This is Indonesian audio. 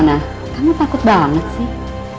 mona mona kamu takut banget sih